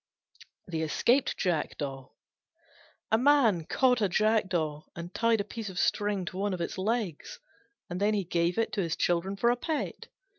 THE ESCAPED JACKDAW A Man caught a Jackdaw and tied a piece of string to one of its legs, and then gave it to his children for a pet.